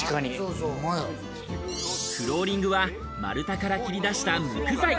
フローリングは丸太から切り出した木材。